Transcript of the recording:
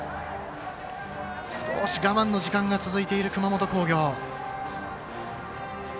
少し、我慢の時間が続いている熊本工業。